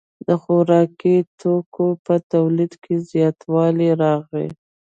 د خوراکي توکو په تولید کې زیاتوالی راغی.